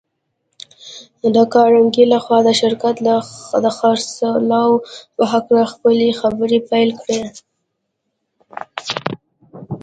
د کارنګي لهخوا د شرکت د خرڅلاو په هکله خپلې خبرې پيل کړې.